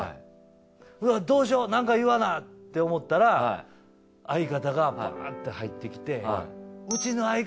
うわどうしよなんか言わな！って思ったら相方がバーッて入ってきて。